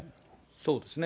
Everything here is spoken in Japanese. そうですね。